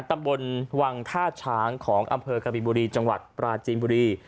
ตำบลวังท่าช้างของอำเภอกบินบุรีจังหวัดปราจีนบุรี